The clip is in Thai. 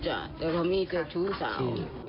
ใช่เพราะว่ามีเจ้าชู้สาว